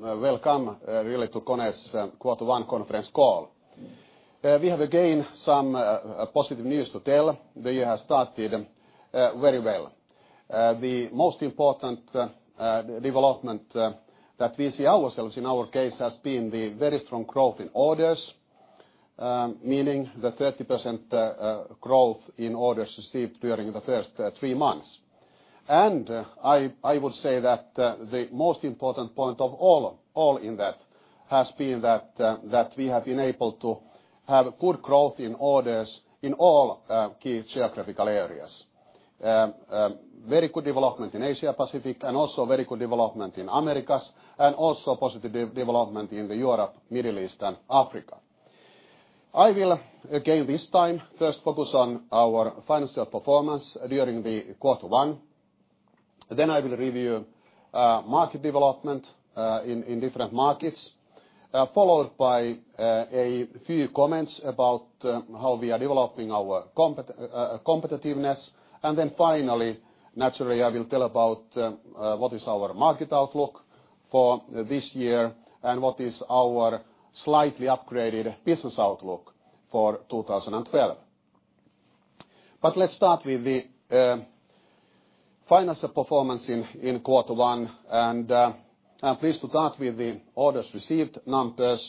Welcome, really, to KONE's Quarter One Conference Call. We have again some positive news to tell. They have started very well. The most important development that we see ourselves, in our case, has been the very strong growth in orders, meaning the 30% growth in orders received during the first three months. I would say that the most important point of all in that has been that we have been able to have good growth in orders in all key geographical areas. Very good development in Asia-Pacific and also very good development in Americas and also positive development in the Europe, Middle East, and Africa. I will, again, this time, first focus on our financial performance during the quarter one. I will review market development in different markets, followed by a few comments about how we are developing our competitiveness. Finally, naturally, I will tell about what is our market outlook for this year and what is our slightly upgraded business outlook for 2012. Let's start with the financial performance in quarter one. I'm pleased to start with the orders received. Numbers.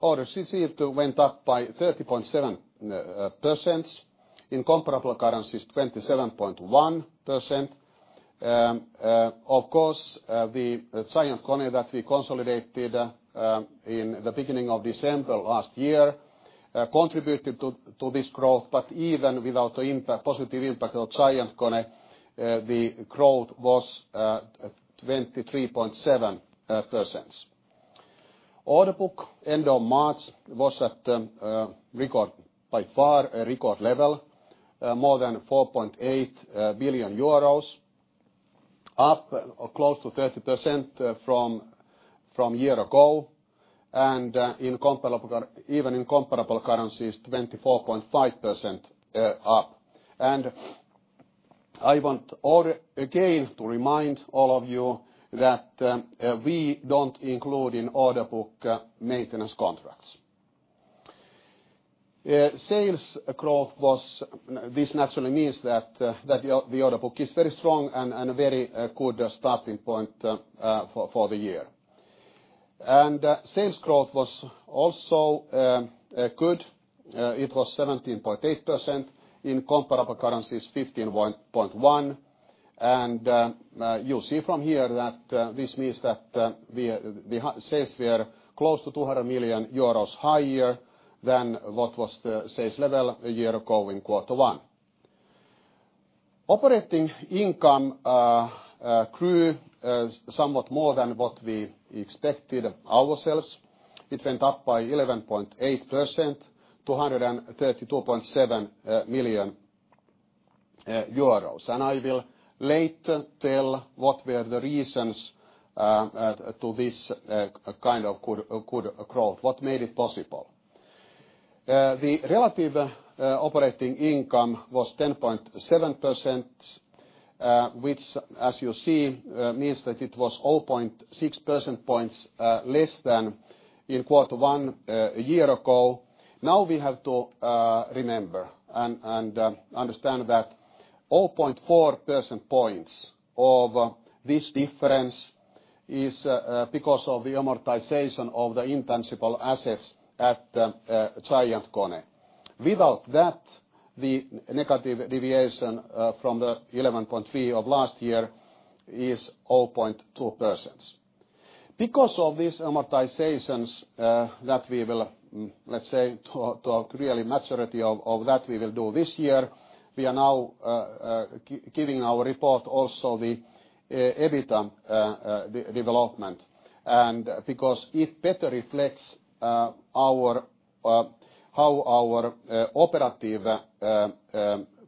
Orders received went up by 30.7%. In comparable currencies, 27.1%. Of course, the GiantKONE that we consolidated in the beginning of December last year contributed to this growth. Even without the positive impact of GiantKONE, the growth was 23.7%. Order book end of March was at record by far, a record level, more than 4.8 billion euros, up close to 30% from a year ago. Even in comparable currencies, 24.5% up. I want again to remind all of you that we don't include in order book maintenance contracts. Sales growth was, this naturally means that the order book is very strong and a very good starting point for the year. Sales growth was also good. It was 17.8%. In comparable currencies, 15.1%. You see from here that this means that we have sales were close to 200 million euros higher than what was the sales level a year ago in quarter one. Operating income grew somewhat more than what we expected ourselves. It went up by 11.8% to 132.7 million euros. I will later tell what were the reasons to this kind of good growth, what made it possible. The relative operating income was 10.7%, which, as you see, means that it was 0.6% points less than in quarter one a year ago. Now we have to remember and understand that 0.4% points of this difference is because of the amortization of the intangible assets at GiantKONE. Without that, the negative deviation from the 11.3% of last year is 0.2%. Because of these amortizations that we will, let's say, to a greater majority of that we will do this year, we are now giving our report also the EBITDA development, because it better reflects how our operative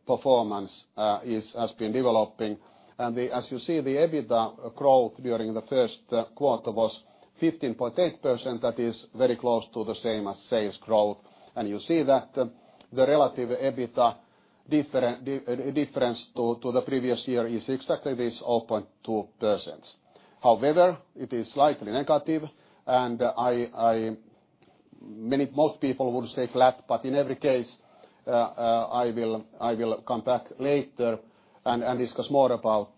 performance has been developing. As you see, the EBITDA growth during the first quarter was 15.8%. That is very close to the same as sales growth. You see that the relative EBITDA difference to the previous year is exactly this, 0.2%. However, it is slightly negative. Most people would say flat. In every case, I will come back later and discuss more about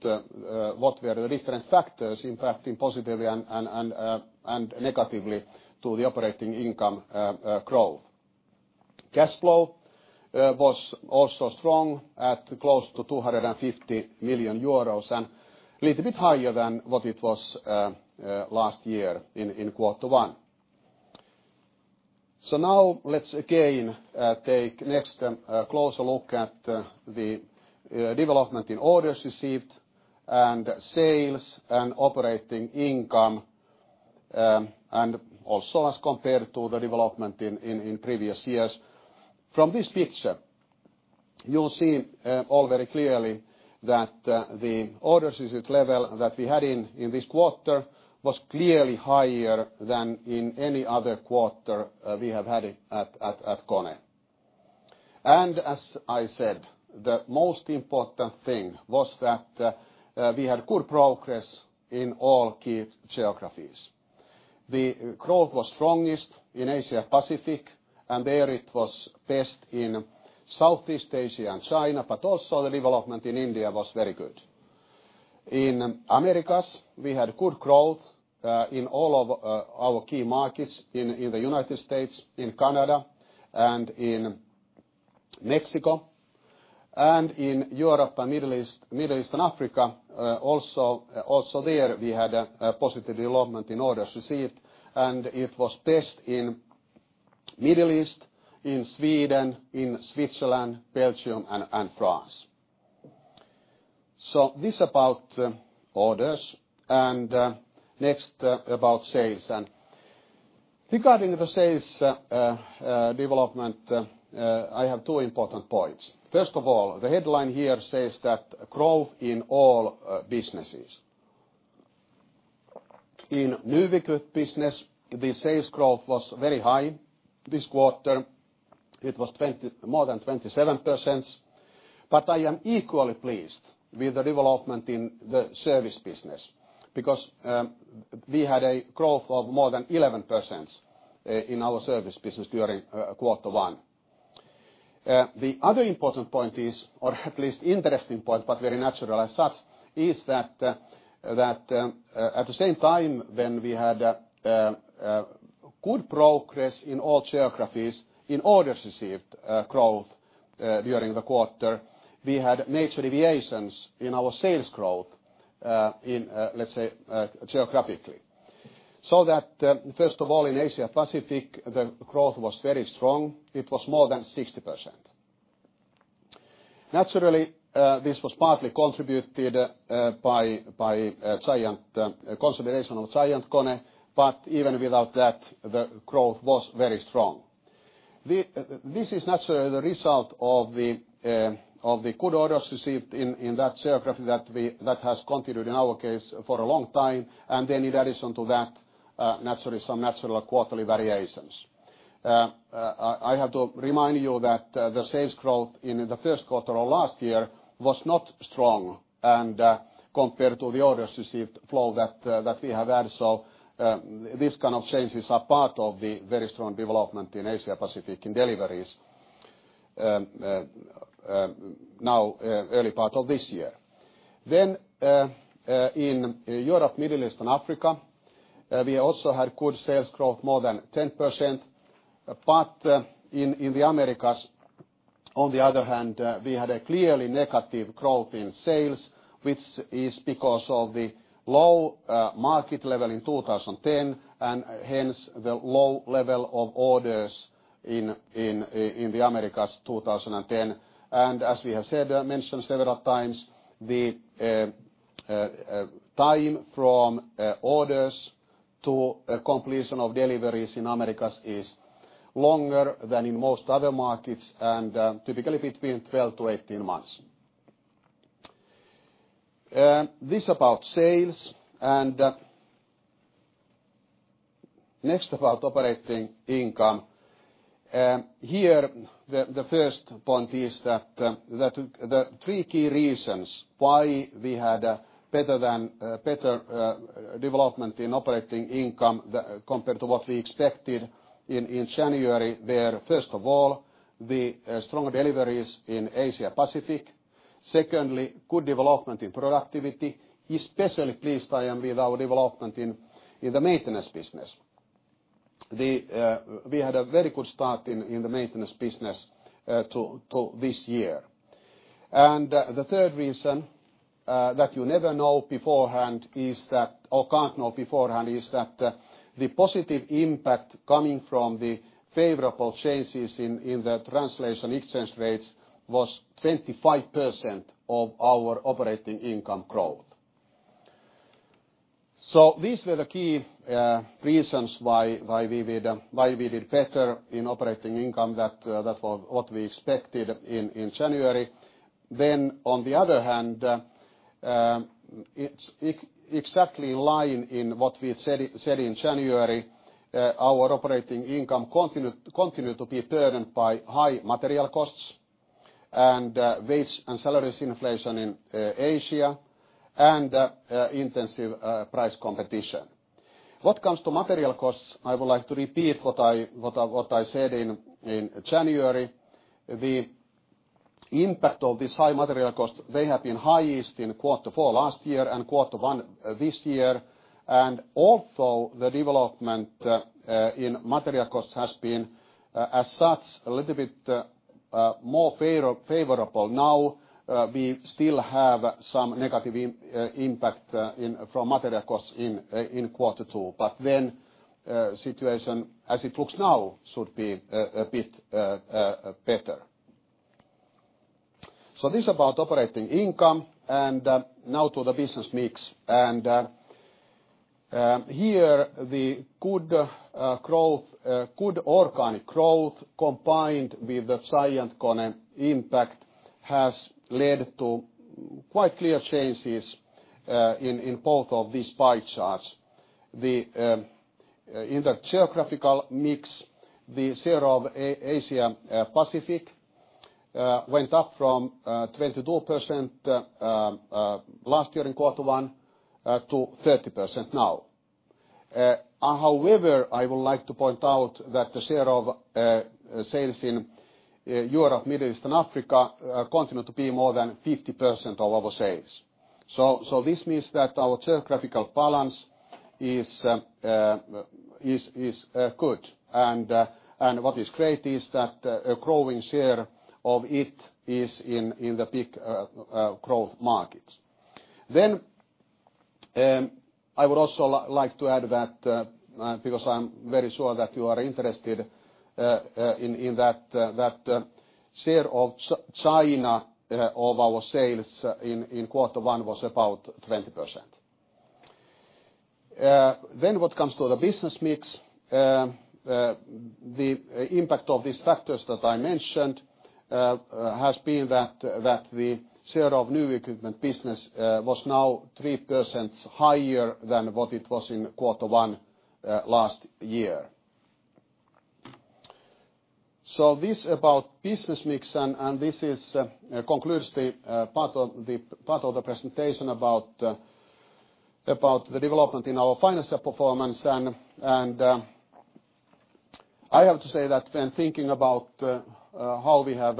what were the different factors impacting positively and negatively to the operating income growth. Cash flow was also strong at close to 250 million euros and a little bit higher than what it was last year in quarter one. Now let's again take a closer look at the development in orders received and sales and operating income and also as compared to the development in previous years. From this picture, you'll see all very clearly that the orders received level that we had in this quarter was clearly higher than in any other quarter we have had at KONE. As I said, the most important thing was that we had good progress in all key geographies. The growth was strongest in Asia-Pacific, and there it was best in Southeast Asia and China. Also, the development in India was very good. In Americas, we had good growth in all of our key markets, in the United States, in Canada, and in Mexico, and in Europe and Middle East and Africa. There we had a positive development in orders received, and it was best in the Middle East, in Sweden, in Switzerland, Belgium, and France. This is about orders. Next, about sales. Regarding the sales development, I have two important points. First of all, the headline here says that growth in all businesses. In new business, the sales growth was very high this quarter. It was more than 27%. I am equally pleased with the development in the service business because we had a growth of more than 11% in our service business during quarter one. The other important point is, or at least interesting point, but very natural as such, is that at the same time when we had good progress in all geographies in orders received growth during the quarter, we had major deviations in our sales growth in, let's say, geographically. First of all, in Asia-Pacific, the growth was very strong. It was more than 60%. Naturally, this was partly contributed by the consolidation of GiantKONE. Even without that, the growth was very strong. This is naturally the result of the good orders received in that geography that has continued in our case for a long time. In addition to that, naturally, some natural quarterly variations. I have to remind you that the sales growth in the first quarter of last year was not strong compared to the orders received flow that we have had. These kind of changes are part of the very strong development in Asia-Pacific in deliveries now, early part of this year. In Europe, Middle East, and Africa, we also had good sales growth, more than 10%. In the Americas, on the other hand, we had a clearly negative growth in sales, which is because of the low market level in 2010 and hence the low level of orders in the Americas in 2010. As we have said, I mentioned several times, the time from orders to completion of deliveries in Americas is longer than in most other markets and typically between 12-18 months. This is about sales. Next, about operating income. Here, the first point is that the three key reasons why we had better development in operating income compared to what we expected in January were, first of all, the strong deliveries in Asia-Pacific. Secondly, good development in productivity, especially pleased I am with our development in the maintenance business. We had a very good start in the maintenance business to this year. The third reason that you never know beforehand is that, or can't know beforehand, is that the positive impact coming from the favorable changes in the translation exchange rates was 25% of our operating income growth. These were the key reasons why we did better in operating income than what we expected in January. On the other hand, exactly in line in what we said in January, our operating income continued to be burdened by high material costs and wage and salaries inflation in Asia and intensive price competition. What comes to material costs, I would like to repeat what I said in January. The impact of these high material costs, they have been highest in Quarter Four last year and quarter one this year. Also, the development in material costs has been, as such, a little bit more favorable now. We still have some negative impact from material costs in quarter two. The situation, as it looks now, should be a bit better. This is about operating income. Now to the business mix. Here, the good organic growth combined with the GiantKONE impact has led to quite clear changes in both of these pie charts. In the geographical mix, the share of Asia-Pacific went up from 22% last year in quarter one to 30% now. However, I would like to point out that the share of sales in Europe, Middle East, and Africa continued to be more than 50% of our sales. This means that our geographical balance is good. What is great is that a growing share of it is in the big growth markets. I would also like to add that, because I'm very sure that you are interested in that, the share of China of our sales in quarter one was about 20%. What comes to the business mix, the impact of these factors that I mentioned has been that the share of new equipment business was now 3% higher than what it was in quarter one last year. This is about business mix. This concludes the part of the presentation about the development in our financial performance. I have to say that when thinking about how we have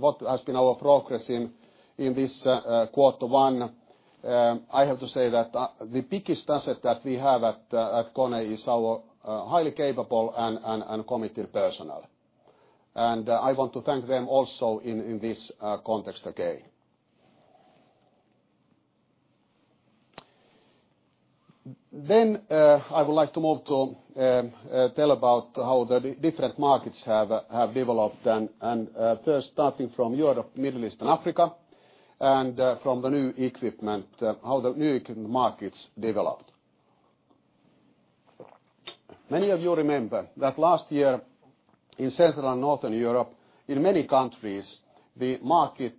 what has been our progress in this quarter one, I have to say that the biggest asset that we have at KONE is our highly capable and committed personnel. I want to thank them also in this context again. I would like to move to tell about how the different markets have developed. First, starting from Europe, Middle East, and Africa, and from the new equipment, how the new equipment markets developed. Many of you remember that last year in Central and Northern Europe, in many countries, the market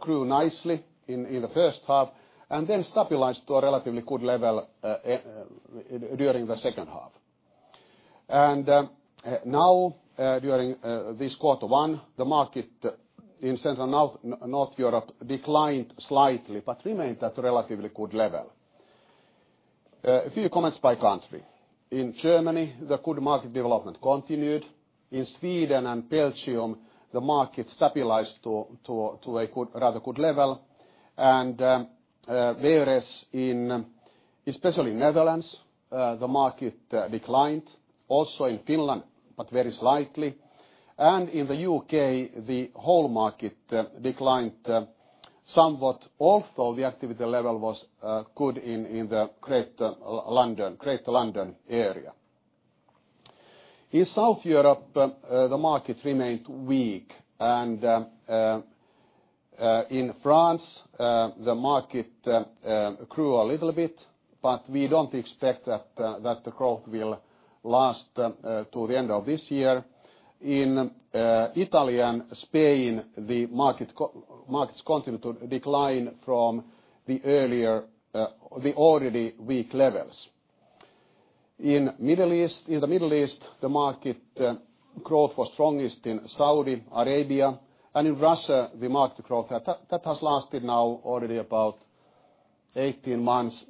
grew nicely in the first half and then stabilized to a relatively good level during the second half. Now, during this quarter one, the market in Central and North Europe declined slightly but remained at a relatively good level. A few comments by country. In Germany, the good market development continued. In Sweden and Belgium, the market stabilized to a rather good level. Whereas, especially in the Netherlands, the market declined. Also in Finland, but very slightly. In the U.K., the whole market declined somewhat. The activity level was good in the greater London area. In Southern Europe, the market remained weak. In France, the market grew a little bit, but we don't expect that the growth will last to the end of this year. In Italy and Spain, the markets continue to decline from the earlier already weak levels. In the Middle East, the market growth was strongest in Saudi Arabia. In Russia, the market growth that has lasted now already about 18 months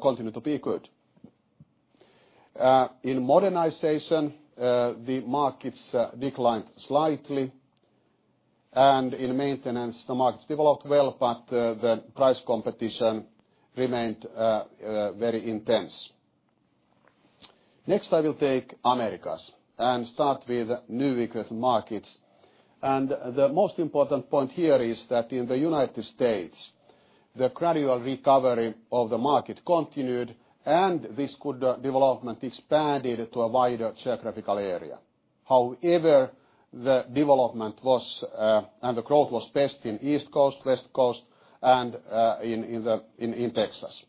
continued to be good. In Modernization, the markets declined slightly. In maintenance, the markets developed well, but the price competition remained very intense. Next, I will take Americas and start with new equipment markets. The most important point here is that in the United States, the gradual recovery of the market continued. This good development expanded to a wider geographical area. However, the development was and the growth was best in the East Coast, West Coast, and in Texas.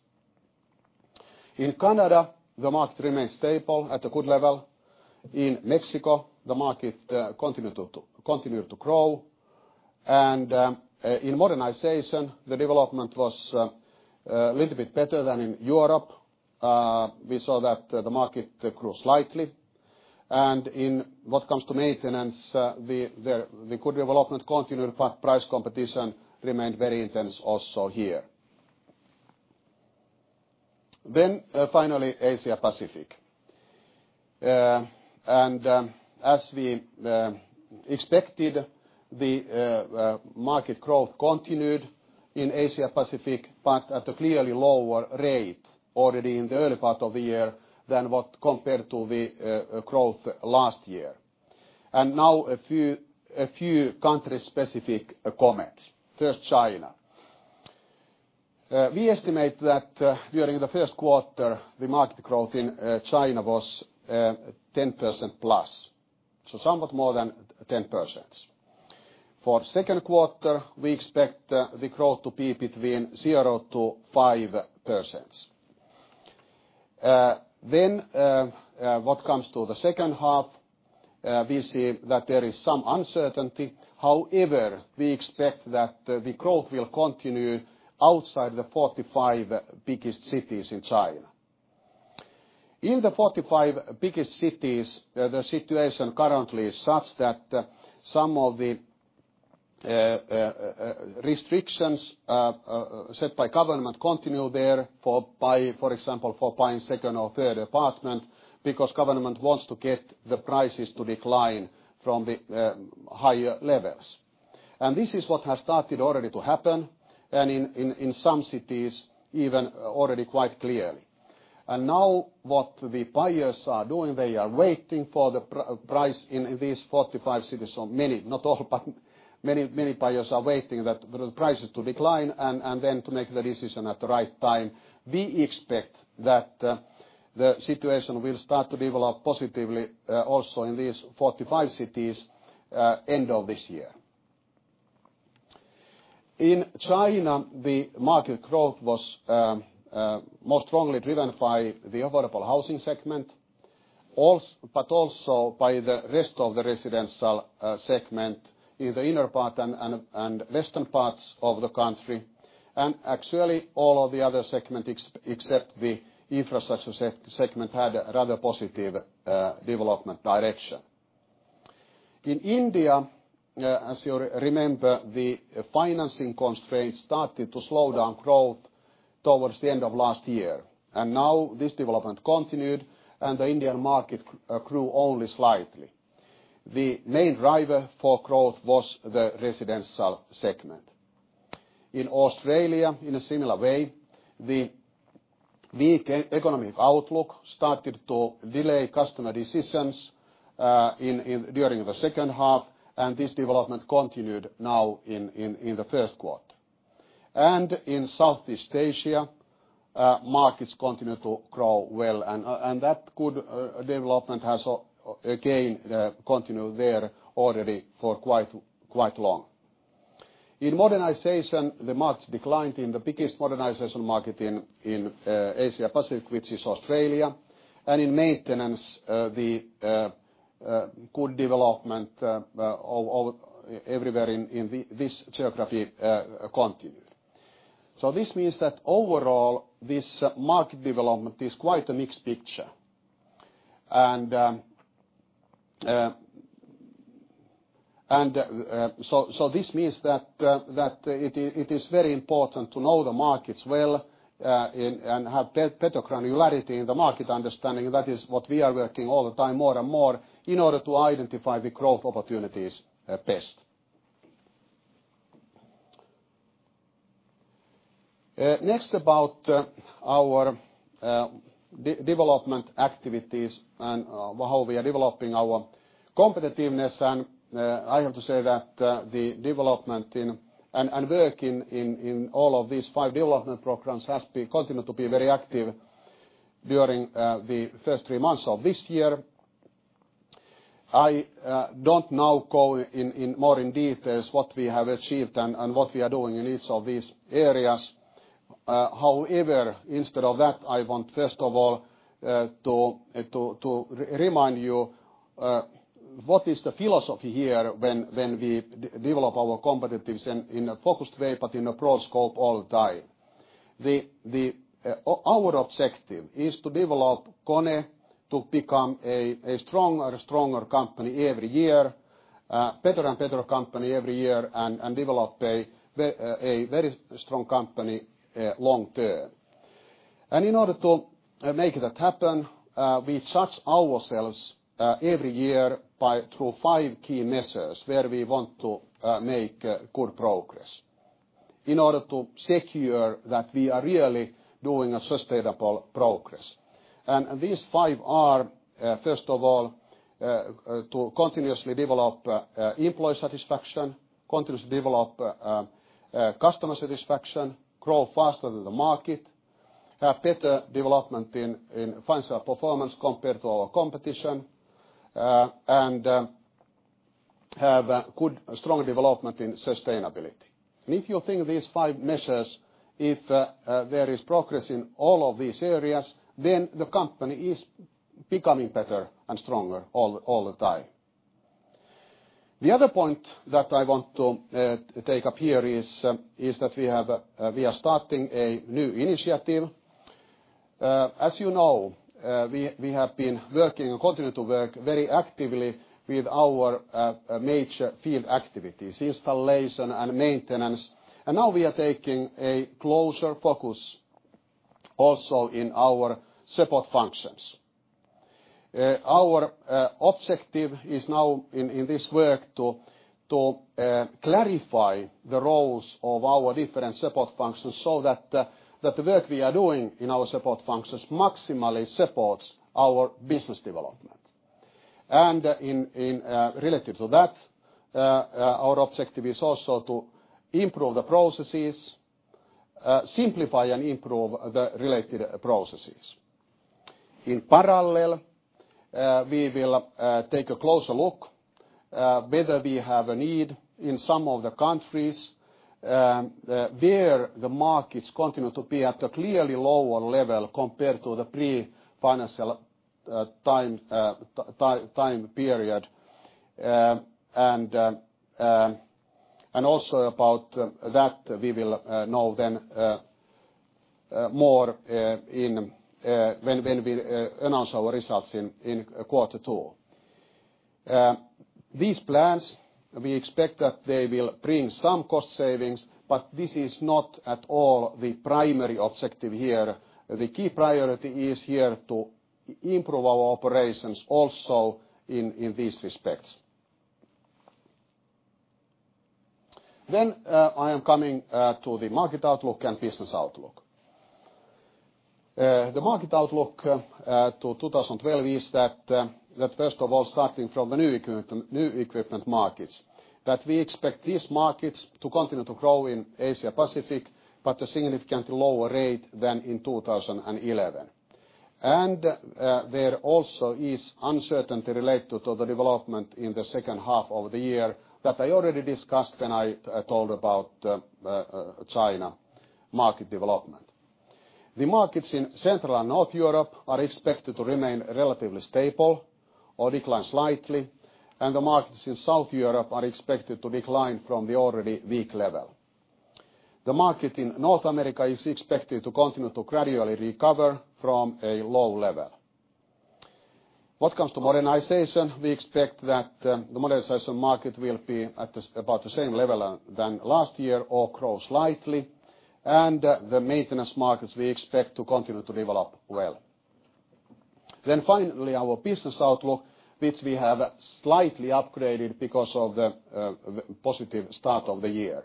In Canada, the market remained stable at a good level. In Mexico, the market continued to grow. In Modernization, the development was a little bit better than in Europe. We saw that the market grew slightly. In what comes to maintenance, the good development continued, but price competition remained very intense also here. Finally, Asia-Pacific. As we expected, the market growth continued in Asia-Pacific, but at a clearly lower rate already in the early part of the year than when compared to the growth last year. Now a few country-specific comments. First, China. We estimate that during the first quarter, the market growth in China was 10%+, so somewhat more than 10%. For the second quarter, we expect the growth to be between 0%-5%. For the second half, we see that there is some uncertainty. However, we expect that the growth will continue outside the 45 biggest cities in China. In the 45 biggest cities, the situation currently is such that some of the restrictions set by government continue there, for example, for buying second or third apartment because government wants to get the prices to decline from the higher levels. This is what has started already to happen, and in some cities, even already quite clearly. Now what the buyers are doing, they are waiting for the price in these 45 cities. Many, not all, but many, many buyers are waiting for the prices to decline and then to make the decision at the right time. We expect that the situation will start to develop positively also in these 45 cities at the end of this year. In China, the market growth was most strongly driven by the affordable housing segment, but also by the rest of the residential segment in the inner part and western parts of the country. Actually, all of the other segments, except the infrastructure segment, had a rather positive development direction. In India, as you remember, the financing constraints started to slow down growth towards the end of last year. Now this development continued, and the Indian market grew only slightly. The main driver for growth was the residential segment. In Australia, in a similar way, the economic outlook started to delay customer decisions during the second half. This development continued now in the first quarter. In Southeast Asia, markets continue to grow well, and that good development has again continued there already for quite long. In Modernization, the market declined in the biggest Modernization market in Asia-Pacific, which is Australia. In maintenance, the good development everywhere in this geography continued. This means that overall, this market development is quite a mixed picture. It is very important to know the markets well and have better granularity in the market understanding. That is what we are working all the time, more and more, in order to identify the growth opportunities best. Next, about our development activities and how we are developing our competitiveness. I have to say that the development and work in all of these five development programs has continued to be very active during the first three months of this year. I do not now go in more in detail what we have achieved and what we are doing in each of these areas. However, instead of that, I want, first of all, to remind you what is the philosophy here when we develop our competitiveness in a focused way, but in a broad scope all the time. Our objective is to develop KONE to become a stronger and stronger company every year, a better and better company every year, and develop a very strong company long term. In order to make that happen, we judge ourselves every year through five key measures where we want to make good progress in order to secure that we are really doing sustainable progress. These five are, first of all, to continuously develop employee satisfaction, continuously develop customer satisfaction, grow faster than the market, have better development in financial performance compared to our competition, and have good, strong development in sustainability. If you think these five measures, if there is progress in all of these areas, then the company is becoming better and stronger all the time. The other point that I want to take up here is that we are starting a new initiative. As you know, we have been working and continue to work very actively with our major field activities, installation and maintenance. Now we are taking a closer focus also in our support functions. Our objective is now in this work to clarify the roles of our different support functions so that the work we are doing in our support functions maximally supports our business development. Related to that, our objective is also to improve the processes, simplify and improve the related processes. In parallel, we will take a closer look at whether we have a need in some of the countries where the markets continue to be at a clearly lower level compared to the pre-financial time period. Also about that, we will know then more when we announce our results in quarter two. These plans, we expect that they will bring some cost savings, but this is not at all the primary objective here. The key priority is here to improve our operations also in these respects. I am coming to the market outlook and business outlook. The market outlook to 2012 is that, first of all, starting from the new equipment markets, we expect these markets to continue to grow in Asia-Pacific, but at a significantly lower rate than in 2011. There also is uncertainty related to the development in the second half of the year that I already discussed when I told about China market development. The markets in Central and North Europe are expected to remain relatively stable or decline slightly. The markets in Southern Europe are expected to decline from the already weak level. The market in North America is expected to continue to gradually recover from a low level. What comes to Modernization, we expect that the Modernization market will be at about the same level as last year or grow slightly. The Maintenance markets we expect to continue to develop well. Finally, our business outlook, which we have slightly upgraded because of the positive start of the year.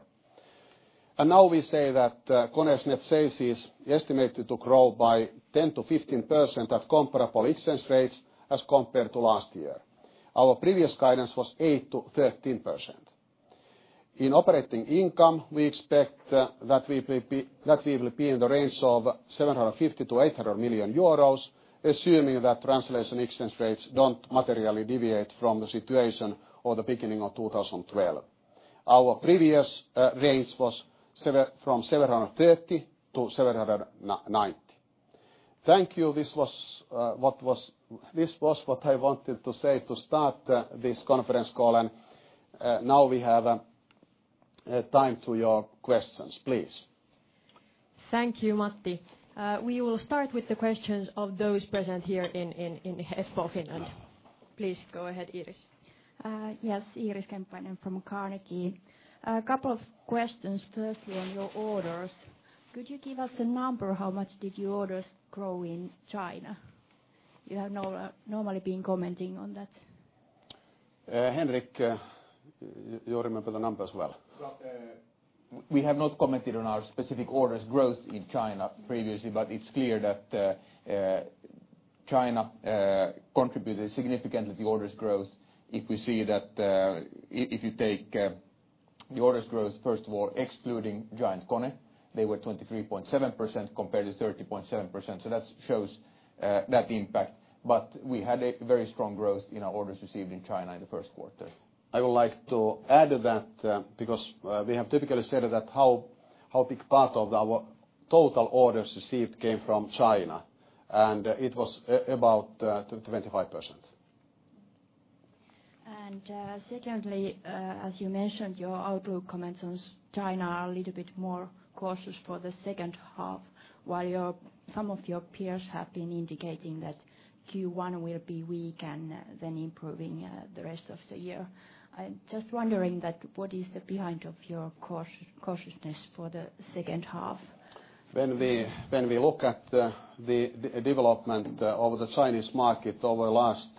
Now we say that KONE's net sales is estimated to grow by 10%-15% at comparable exchange rates as compared to last year. Our previous guidance was 8%-13%. In operating income, we expect that we will be in the range of 750 million-800 million euros, assuming that translation exchange rates don't materially deviate from the situation at the beginning of 2012. Our previous range was from 730 million-790 million. Thank you. This was what I wanted to say to start this conference call. Now we have time for your questions, please. Thank you, Matti. We will start with the questions of those present here in Espoo, Finland. Please go ahead, Iris. Yes, Iiris Kemppainen from Carnegie. A couple of questions, firstly on your orders. Could you give us a number? How much did your orders grow in China? You have normally been commenting on that. Henrik, you remember the numbers well. We have not commented on our specific orders growth in China previously, but it's clear that China contributed significantly to orders growth. If we see that, if you take the orders growth, first of all, excluding GiantKONE, they were 23.7% compared to 30.7%. That shows that impact. We had a very strong growth in our orders received in China in the first quarter. I would like to add that because we have typically said how big part of our total orders received came from China, and it was about 25%. Secondly, as you mentioned, your outlook comments on China are a little bit more cautious for the second half, while some of your peers have been indicating that Q1 will be weak and then improving the rest of the year. I'm just wondering what is behind your cautiousness for the second half? When we look at the development of the Chinese market over the last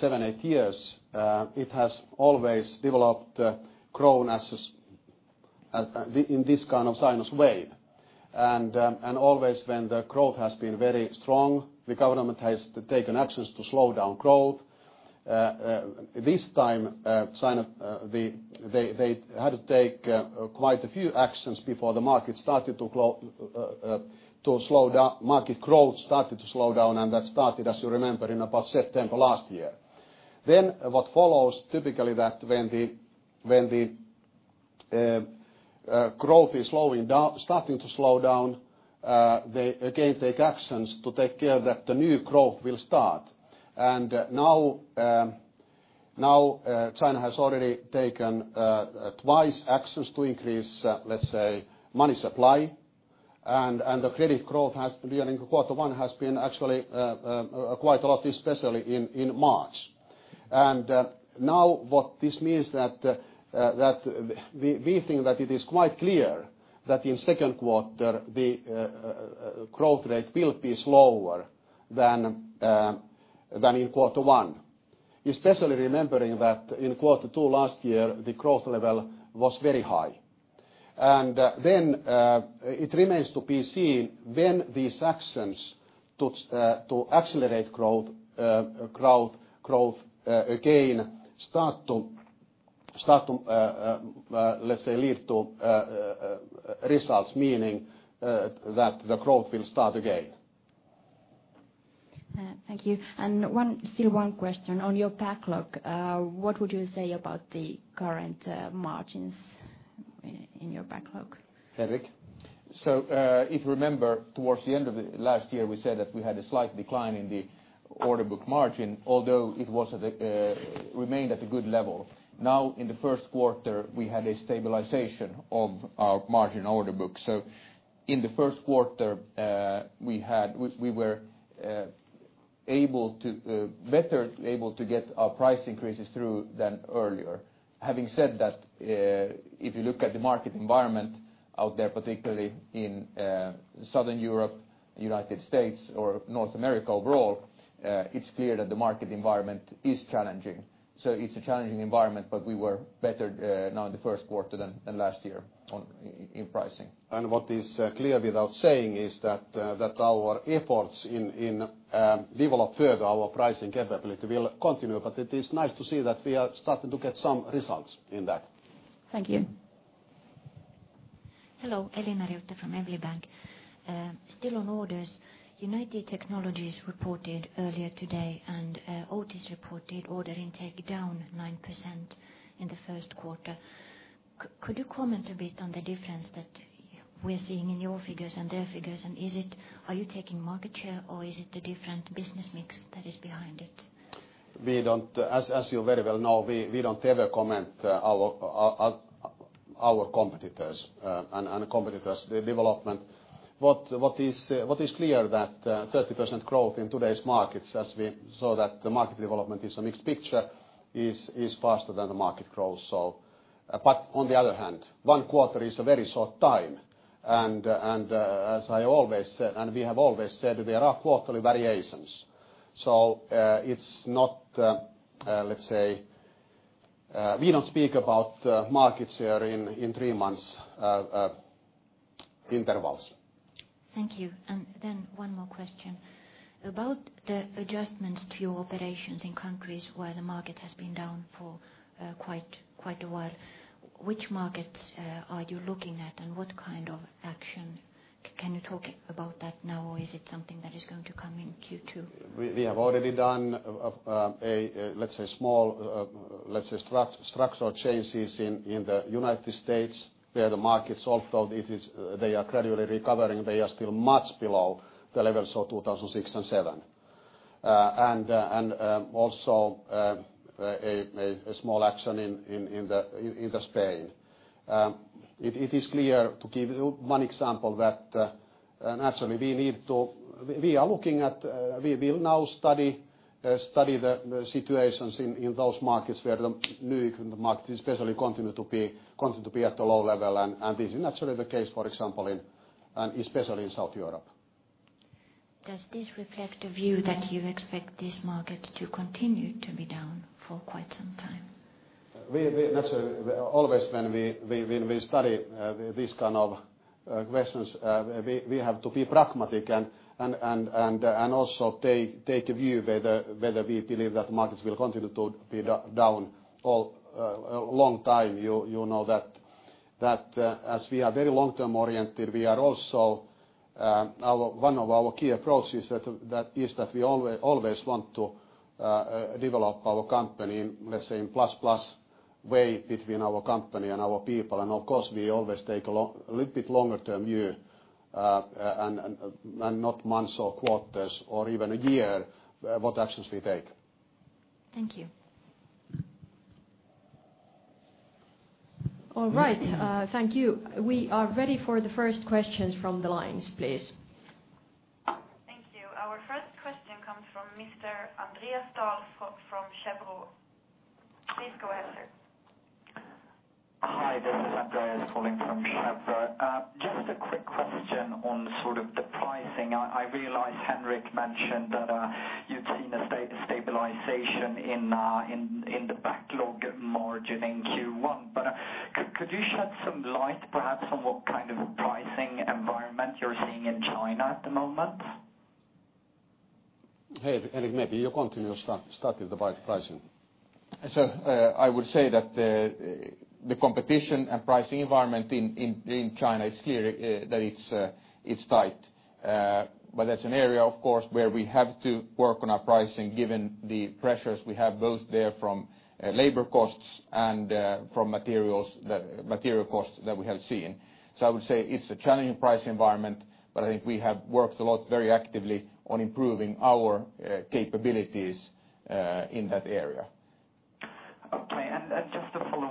seven, eight years, it has always developed, grown in this kind of sinus wave. Always when the growth has been very strong, the government has taken actions to slow down growth. This time, they had to take quite a few actions before the market started to slow down. Market growth started to slow down. That started, as you remember, in about September last year. What follows typically is that when the growth is starting to slow down, they again take actions to take care of that the new growth will start. Now China has already taken twice actions to increase, let's say, money supply. The credit growth during quarter one has been actually quite a lot, especially in March. What this means is that we think that it is quite clear that in the second quarter, the growth rate will be slower than in quarter one, especially remembering that in quarter two last year, the growth level was very high. It remains to be seen when these actions to accelerate growth again start to, let's say, lead to results, meaning that the growth will start again. Thank you. Still, one question. On your backlog, what would you say about the current margins in your backlog? If you remember, towards the end of last year, we said that we had a slight decline in the order book margin, although it remained at a good level. Now, in the first quarter, we had a stabilization of our margin order book. In the first quarter, we were better able to get our price increases through than earlier. Having said that, if you look at the market environment out there, particularly in Southern Europe, the United States, or North America overall, it's clear that the market environment is challenging. It's a challenging environment, but we were better now in the first quarter than last year in pricing. What is clear without saying is that our efforts in developing further our pricing capability will continue. It is nice to see that we are starting to get some results in that. Thank you. Hello, Elina Riutta from Evli Bank. Still on orders, United Technologies reported earlier today and Otis reported order intake down 9% in the first quarter. Could you comment a bit on the difference that we're seeing in your figures and their figures? Are you taking market share or is it the different business mix that is behind it? As you very well know, we don't ever comment on our competitors and competitors' development. What is clear is that 30% growth in today's markets, as we saw that the market development is a mixed picture, is faster than the market growth. On the other hand, one quarter is a very short time. As I always said, and we have always said, there are quarterly variations. It's not, let's say, we don't speak about market share in three-month intervals. Thank you. One more question about the adjustments to your operations in countries where the market has been down for quite a while: which markets are you looking at, and what kind of action? Can you talk about that now, or is it something that is going to come in Q2? We have already done small structural changes in the United States where the markets, although they are gradually recovering, are still much below the levels of 2006 and 2007. Also, a small action in Spain. It is clear, to give you one example, that naturally we need to, we are looking at, we will now study the situations in those markets where the new equipment markets especially continue to be at a low level. This is naturally the case, for example, and especially in Southern Europe. Does this reflect a view that you expect these markets to continue to be down for quite some time? We naturally, always when we study these kind of questions, we have to be pragmatic and also take a view whether we believe that markets will continue to be down for a long time. You know that as we are very long-term oriented, one of our key approaches is that we always want to develop our company in, let's say, in a plus-plus way between our company and our people. Of course, we always take a little bit longer-term view and not months or quarters or even a year what actions we take. Thank you. All right. Thank you. We are ready for the first questions from the lines, please. Thank you. Our first question comes from Mr. Andreas Dahl from Chevreux. Please go ahead, sir. Hi, Dr. Andreas Dahl from Chevreux. Just a quick question on sort of the pricing. I realize Henrik mentioned that you'd seen a stabilization in the backlog margin in Q1. Could you shed some light perhaps on what kind of pricing environment you're seeing in China at the moment? Hey, Henrik, maybe you continue starting the pricing. I would say that the competition and pricing environment in China is clearly that it's tight. There is an area, of course, where we have to work on our pricing given the pressures we have both there from labor costs and from material costs that we have seen. I would say it's a challenging pricing environment, but I think we have worked a lot very actively on improving our capabilities in that area. Great. Just to follow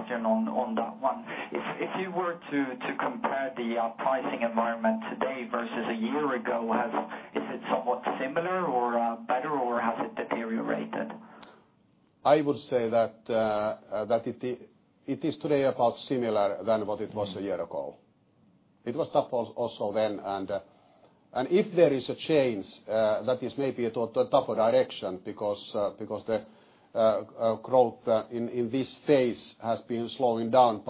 up, Jen, on that one, if you were to compare the pricing environment today versus a year ago, is it somewhat similar or better or has it deteriorated? I would say that it is today about similar to what it was a year ago. It was tough also then. If there is a change, that is maybe a tougher direction because the growth in this phase has been slowing down.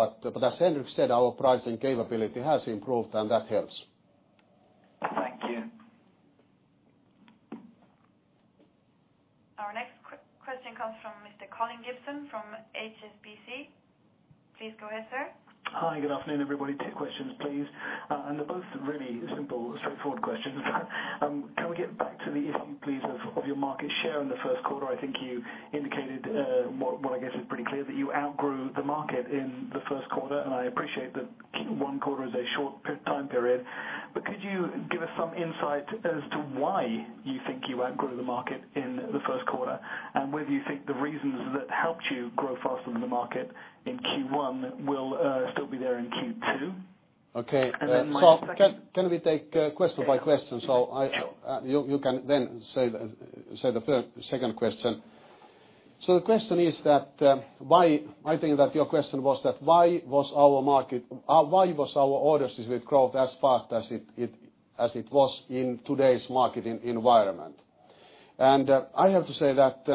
As Henrik said, our pricing capability has improved and that helps. Our next quick question comes from Mr. Colin Gibson from HSBC. Please go ahead, sir. Hi, good afternoon, everybody. Questions, please. They're both really simple, straightforward questions. Can we get back to the issue, please, of your market share in the first quarter? I think you indicated what I guess is pretty clear, that you outgrew the market in the first quarter. I appreciate that one quarter is a short time period, but could you give us some insight as to why you think you outgrew the market in the first quarter and whether you think the reasons that helped you grow faster than the market in Q1 will still be there in Q2? Okay. Can we take question by question? You can then say the second question. The question is that why I think that your question was that why was our market, why was our orders with growth as fast as it was in today's market environment? I have to say that,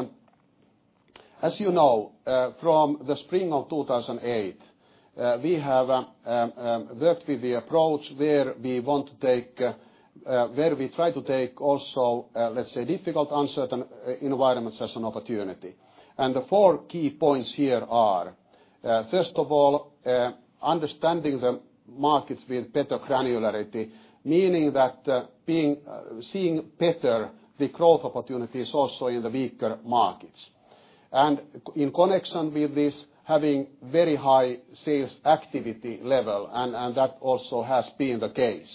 as you know, from the spring of 2008, we have worked with the approach where we want to take, where we try to take also, let's say, difficult uncertain environments as an opportunity. The four key points here are, first of all, understanding the markets with better granularity, meaning that seeing better the growth opportunities also in the weaker markets. In connection with this, having very high sales activity level, and that also has been the case.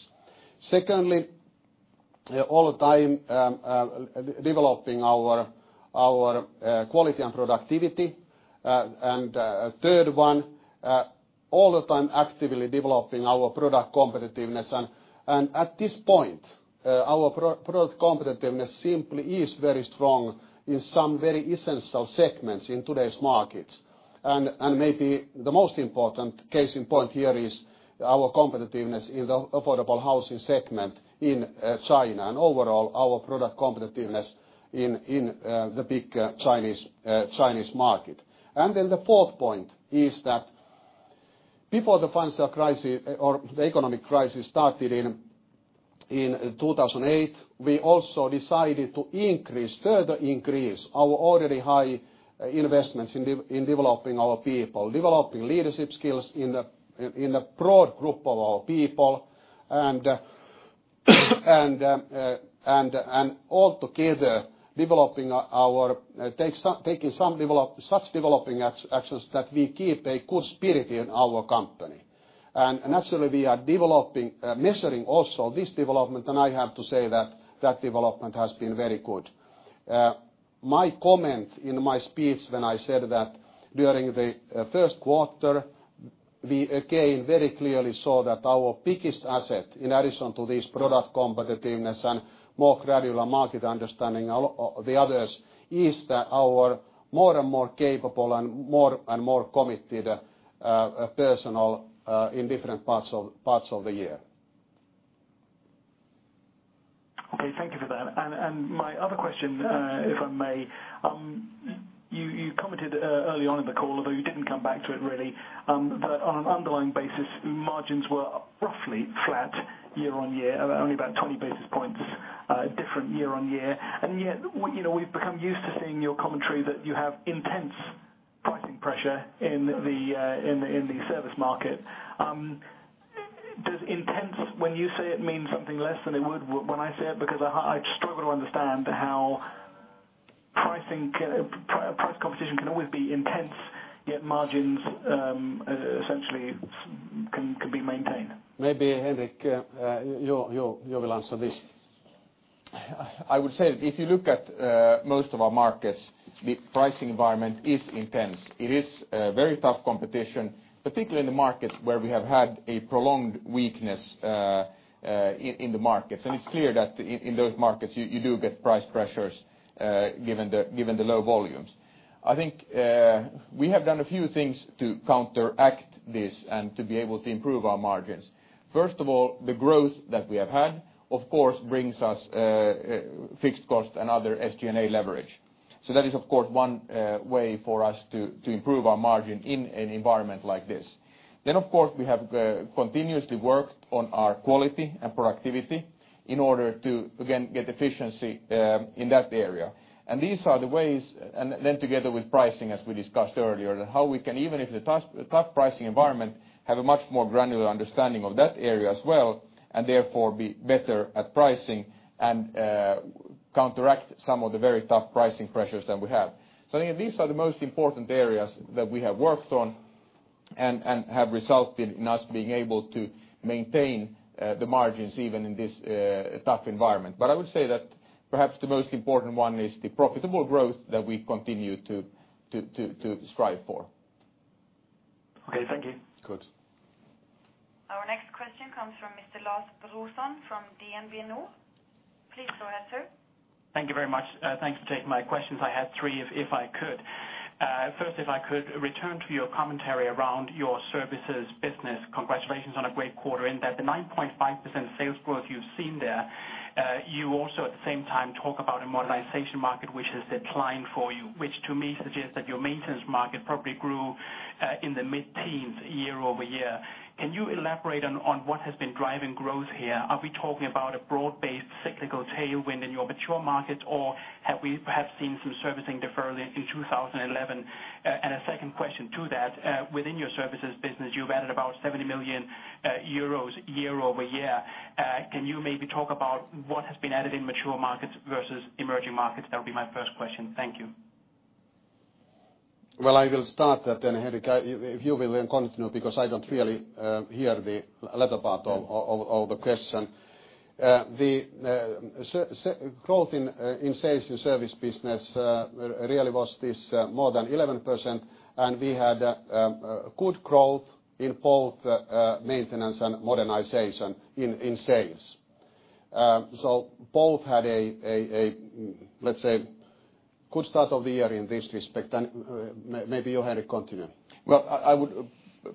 Secondly, all the time developing our quality and productivity. Third, all the time actively developing our product competitiveness. At this point, our product competitiveness simply is very strong in some very essential segments in today's markets. Maybe the most important case in point here is our competitiveness in the affordable housing segment in China and overall our product competitiveness in the big Chinese market. The fourth point is that before the financial crisis or the economic crisis started in 2008, we also decided to increase, further increase our already high investments in developing our people, developing leadership skills in a broad group of our people, and altogether taking some such developing actions that we keep a good spirit in our company. Naturally, we are developing, measuring also this development. I have to say that that development has been very good. My comment in my speech when I said that during the first quarter, we again very clearly saw that our biggest asset, in addition to this product competitiveness and more granular market understanding of the others, is that our more and more capable and more and more committed personnel in different parts of the year. Okay. Thank you for that. My other question, if I may, you commented early on in the call, although you didn't come back to it really, that on an underlying basis, margins were roughly flat year-on-year, only about 20 basis points different year-on-year. Yet, you know, we've become used to seeing your commentary that you have intense pricing pressure in the service market. Does intense, when you say it, mean something less than it would when I say it? I struggle to understand how price competition can always be intense, yet margins essentially can be maintained. Maybe Henrik, you will answer this. I would say that if you look at most of our markets, the pricing environment is intense. It is a very tough competition, particularly in the markets where we have had a prolonged weakness in the markets. It's clear that in those markets, you do get price pressures given the low volumes. I think we have done a few things to counteract this and to be able to improve our margins. First of all, the growth that we have had, of course, brings us fixed cost and other SG&A leverage. That is, of course, one way for us to improve our margin in an environment like this. We have continuously worked on our quality and productivity in order to, again, get efficiency in that area. These are the ways, and then together with pricing, as we discussed earlier, how we can, even if the tough pricing environment, have a much more granular understanding of that area as well and therefore be better at pricing and counteract some of the very tough pricing pressures that we have. I think these are the most important areas that we have worked on and have resulted in us being able to maintain the margins even in this tough environment. Perhaps the most important one is the profitable growth that we continue to strive for. Okay, thank you. Good. Our next question comes from Mr. Lars Brorson from DNB. Please go ahead, sir. Thank you very much. Thanks for taking my questions. I had three if I could. First, if I could return to your commentary around your Services business. Congratulations on a great quarter. In that, the 9.5% sales growth you've seen there, you also at the same time talk about a Modernization market which has declined for you, which to me suggests that your maintenance market probably grew in the mid-teens year-over-year. Can you elaborate on what has been driving growth here? Are we talking about a broad-based cyclical tailwind in your mature markets, or have we perhaps seen some servicing defer in 2011? A second question to that, within your Services business, you've added about 70 million euros year-over-year. Can you maybe talk about what has been added in mature markets versus emerging markets? That would be my first question. Thank you. I will start that then, Henrik. If you will, then continue because I don't really hear the latter part of the question. The growth in sales in the Service business really was this more than 11%. We had a good growth in both maintenance and modernization in sales. Both had a, let's say, good start of the year in this respect. Maybe you, Henrik, continue. I would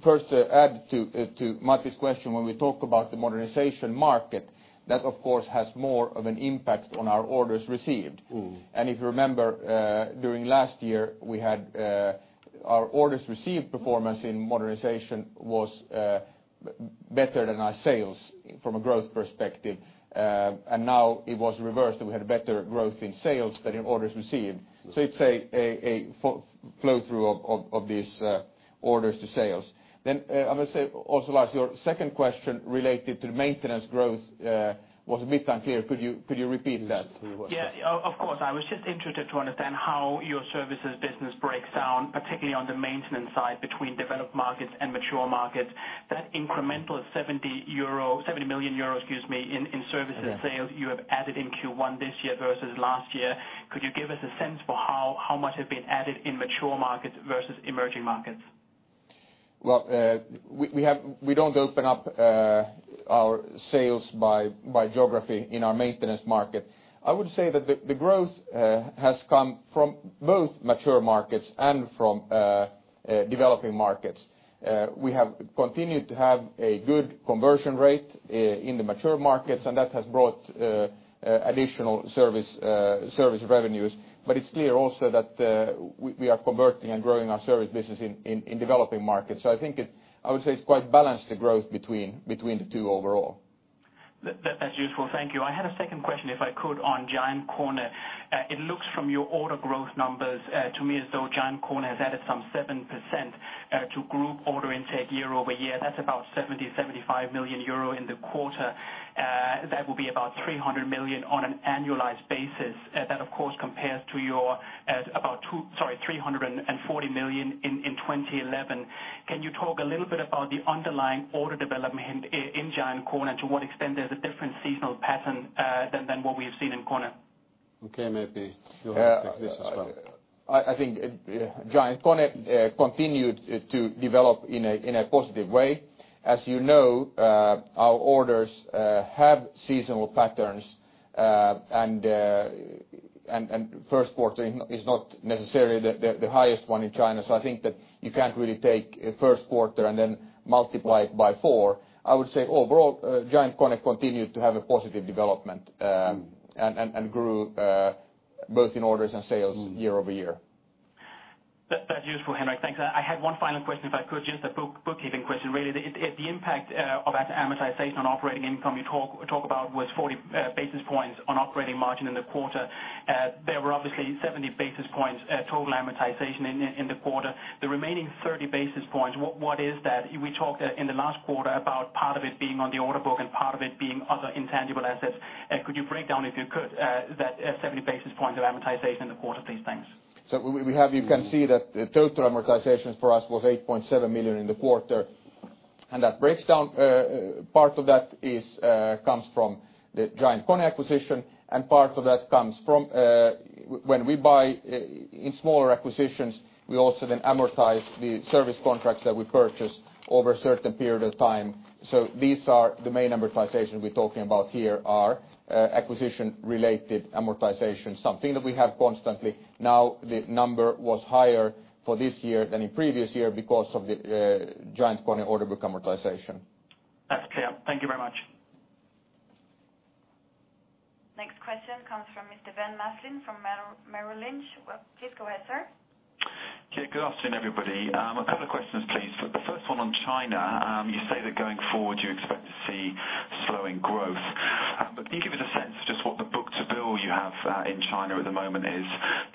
first add to Matti's question when we talk about the modernization market that, of course, has more of an impact on our orders received. If you remember, during last year, our orders received performance in modernization was better than our sales from a growth perspective. Now it was reversed and we had better growth in sales, but in orders received. It's a flow-through of these orders to sales. I must say also, Lars, your second question related to the maintenance growth was a bit unclear. Could you repeat that? Of course. I was just interested to understand how your Services business breaks down, particularly on the maintenance side between developed markets and mature markets. That incremental 70 million euro in Services sales you have added in Q1 this year versus last year, could you give us a sense for how much has been added in mature markets versus emerging markets? We don't open up our sales by geography in our maintenance market. I would say that the growth has come from both mature markets and from developing markets. We have continued to have a good conversion rate in the mature markets, and that has brought additional service revenues. It is clear also that we are converting and growing our service business in developing markets. I think I would say it's quite balanced, the growth between the two overall. That's useful. Thank you. I had a second question, if I could, on GiantKONE. It looks from your order growth numbers to me as though GiantKONE has added some 7% to group order intake year-over-year. That's about 70 million, 75 million euro in the quarter. That will be about 300 million on an annualized basis. That, of course, compares to your about, sorry, 340 million in 2011. Can you talk a little bit about the underlying order development in GiantKONE and to what extent there's a different seasonal pattern than what we have seen in KONE? I think GiantKONE continued to develop in a positive way. As you know, our orders have seasonal patterns, and first quarter is not necessarily the highest one in China. I think that you can't really take first quarter and then multiply it by four. I would say overall, GiantKONE continued to have a positive development and grew both in orders and sales year-over-year. That's useful, Henrik. Thanks. I had one final question, if I could, just a bookkeeping question really. The impact of that amortization on operating income you talk about was 40 basis points on operating margin in the quarter. There were obviously 70 basis points total amortization in the quarter. The remaining 30 basis points, what is that? We talked in the last quarter about part of it being on the order book and part of it being other intangible assets. Could you break down, if you could, that 70 basis points of amortization in the quarter, please? Thanks. You can see that the total amortization for us was 8.7 million in the quarter. That breaks down, part of that comes from the GiantKONE acquisition, and part of that comes from when we buy in smaller acquisitions, we also then amortize the service contracts that we purchase over a certain period of time. These are the main amortizations we're talking about here, acquisition-related amortization, something that we have constantly. The number was higher for this year than in previous year because of the GiantKONE order book amortization. That's clear. Thank you very much. Next question comes from Mr. Ben Maslen from Merrill Lynch. Please go ahead, sir. Okay. Good afternoon, everybody. A couple of questions, please. The first one on China. You say that going forward, you expect to see slowing growth. Can you give us a sense of just what the book-to-bill you have in China at the moment is?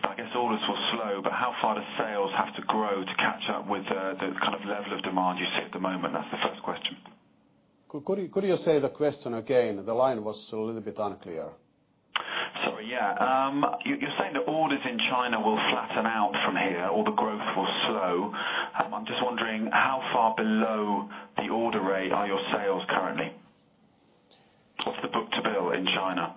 I guess orders will slow, but how far does sales have to grow to catch up with the kind of level of demand you see at the moment? That's the first question. Could you say the question again? The line was a little bit unclear. You're saying that orders in China will flatten out from here or the growth will slow. I'm just wondering how far below the order rate are your sales currently. The book-to-bill in China.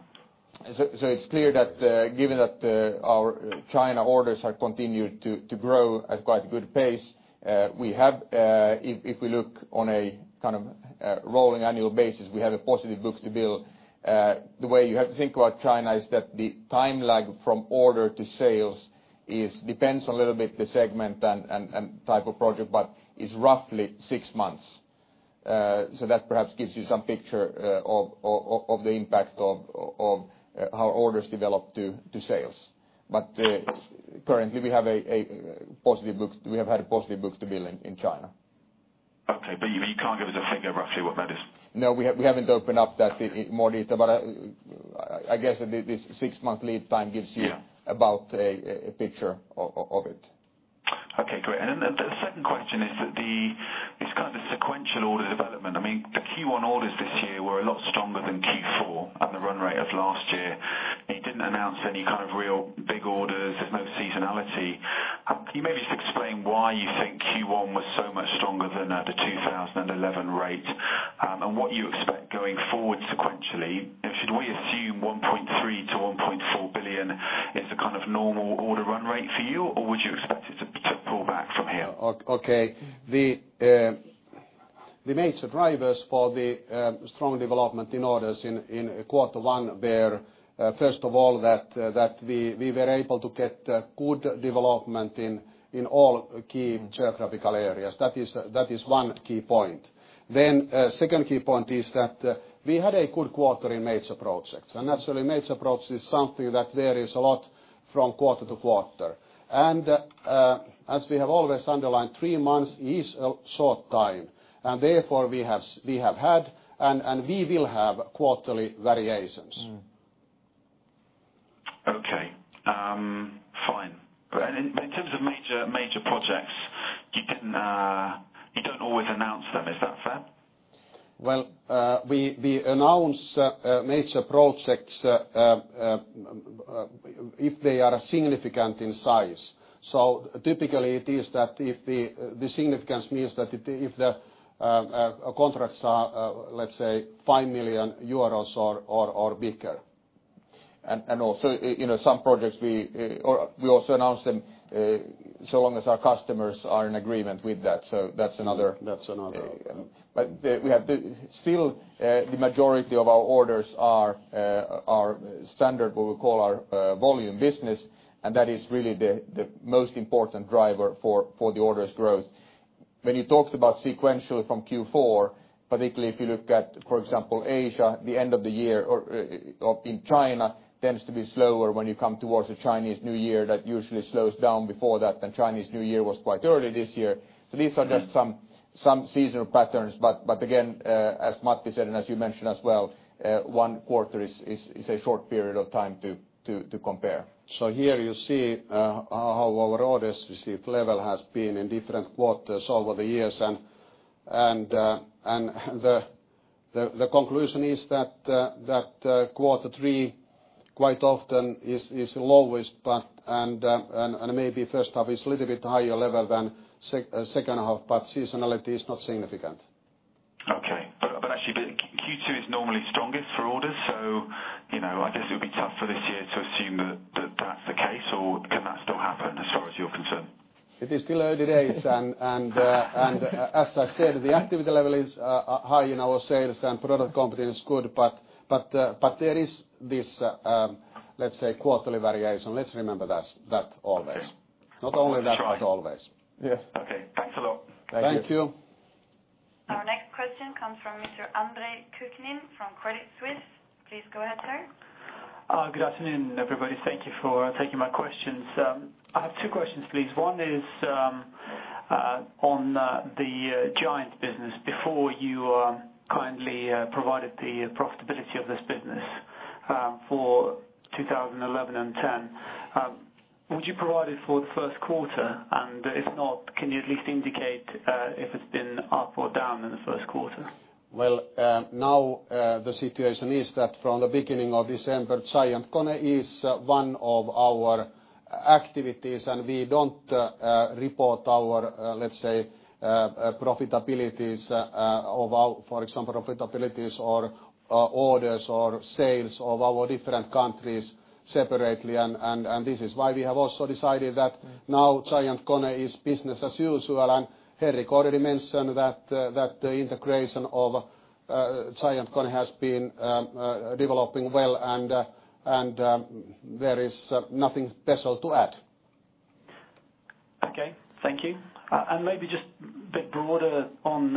It is clear that given that our China orders have continued to grow at quite a good pace, we have, if we look on a kind of rolling annual basis, a positive book-to-bill. The way you have to think about China is that the time lag from order to sales depends a little bit on the segment and type of project, but it's roughly six months. That perhaps gives you some picture of the impact of how orders develop to sales. Currently, we have had a positive book-to-bill in China. Okay. You can't give us a figure roughly what that is? No, we haven't opened up that in more detail, but I guess this six-month lead time gives you about a picture of it. Okay, great. The second question is that this kind of sequential order development, I mean, the Q1 orders this year were a lot stronger than Q4 and the run rate of last year. You didn't announce any kind of real big orders. There's no seasonality. Can you maybe just explain why you think Q1 was so much stronger than the 2011 rate and what you expect going forward sequentially? Should we assume 1.3 billion-1.4 billion is the kind of normal order run rate for you, or would you expect it to pull back from here? Okay. The major drivers for the strong development in orders in quarter one were, first of all, that we were able to get good development in all key geographical areas. That is one key point. The second key point is that we had a good quarter in major projects. Naturally, major projects is something that varies a lot from quarter to quarter. As we have always underlined, three months is a short time. Therefore, we have had and we will have quarterly variations. Okay. Fine. In terms of major projects, you don't always announce them. Is that fair? We announce major projects if they are significant in size. Typically, it is that if the significance means that if the contracts are, let's say, 5 million euros or bigger. Also, you know, some projects we also announce them so long as our customers are in agreement with that. That's another. That's another. We have still the majority of our orders are standard, what we call our volume business. That is really the most important driver for the orders growth. When you talked about sequential from Q4, particularly if you look at, for example, Asia, the end of the year in China tends to be slower when you come towards the Chinese New Year. That usually slows down before that. Chinese New Year was quite early this year. These are just some seasonal patterns. As Matti said and as you mentioned as well, one quarter is a short period of time to compare. Here you see how our orders receive level has been in different quarters over the years. The conclusion is that quarter three quite often is the lowest, but maybe first half is a little bit higher level than second half, but seasonality is not significant. Okay. Q2 is normally strongest for orders. I guess it would be tough for this year to assume that that's the case, or can that still happen as far as you're concerned? It is still early days. As I said, the activity level is high in our sales and product competition is good, but there is this, let's say, quarterly variation. Let's remember that always. Not only that, but always. Yes, okay. Thanks a lot. Thank you. Thank you. Our next question comes from Mr. Andre Kukhnin from Credit Suisse. Please go ahead, sir. Good afternoon, everybody. Thank you for taking my questions. I have two questions, please. One is on the GiantKONE business. Before, you kindly provided the profitability of this business for 2011 and 2010. Would you provide it for the first quarter? If not, can you at least indicate if it's been up or down in the first quarter? Now the situation is that from the beginning of December, GiantKONE is one of our activities, and we don't report our, let's say, profitabilities of our, for example, profitabilities or orders or sales of our different countries separately. This is why we have also decided that now GiantKONE is business as usual. Henrik already mentioned that the integration of GiantKONE has been developing well, and there is nothing special to add. Okay. Thank you. Maybe just a bit broader on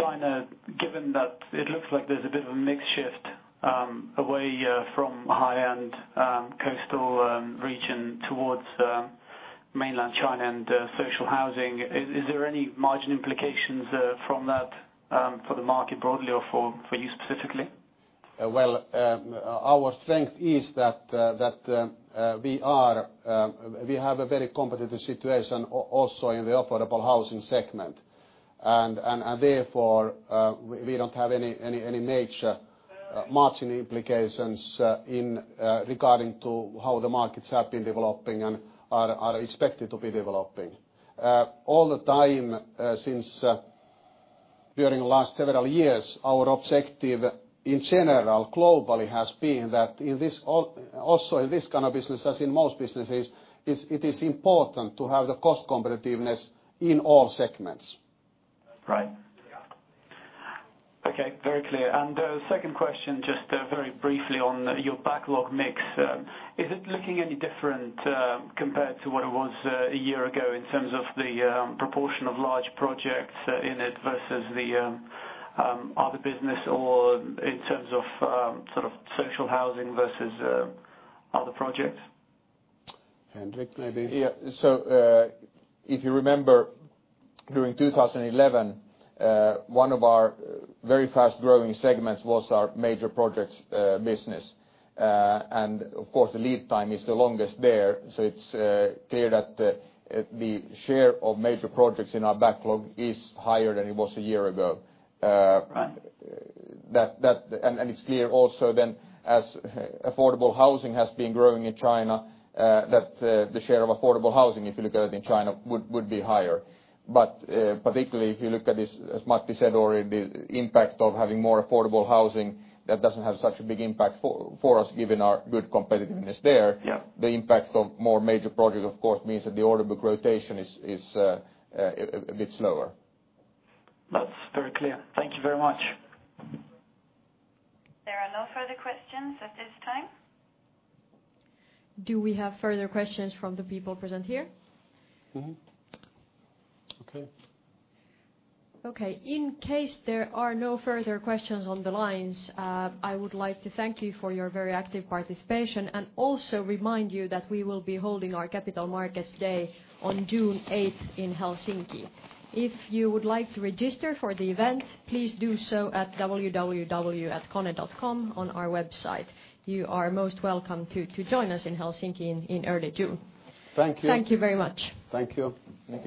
China, given that it looks like there's a bit of a mixed shift away from high-end coastal region towards mainland China and social housing. Is there any margin implications from that for the market broadly or for you specifically? Our strength is that we have a very competitive situation also in the affordable housing segment. Therefore, we don't have any major margin implications regarding how the markets have been developing and are expected to be developing. All the time since during the last several years, our objective in general globally has been that in this, also in this kind of business, as in most businesses, it is important to have the cost competitiveness in all segments. Right. Okay. Very clear. The second question, just very briefly on your backlog mix. Is it looking any different compared to what it was a year ago in terms of the proportion of large projects in it versus the other business, or in terms of sort of social housing versus other projects? Henrik, maybe. Yeah. If you remember, during 2011, one of our very fast-growing segments was our major projects business. Of course, the lead time is the longest there. It is clear that the share of major projects in our backlog is higher than it was a year ago. It is clear also, as affordable housing has been growing in China, that the share of affordable housing, if you look at it in China, would be higher. Particularly, if you look at this, as Matti said already, the impact of having more affordable housing does not have such a big impact for us given our good competitiveness there. The impact of more major projects, of course, means that the order book rotation is a bit slower. That's very clear. Thank you very much. There are no further questions at this time. Do we have further questions from the people present here? Okay. Okay. In case there are no further questions on the lines, I would like to thank you for your very active participation and also remind you that we will be holding our Capital Markets Day on June 8 in Helsinki. If you would like to register for the event, please do so at www.kone.com on our website. You are most welcome to join us in Helsinki in early June. Thank you. Thank you very much. Thank you. Thank you.